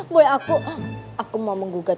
boy aku mau menggugat